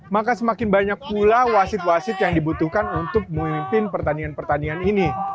maka semakin banyak pula wasit wasit yang dibutuhkan untuk memimpin pertandingan pertandingan ini